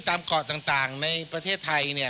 ทางในประเทศไทยเนี่ย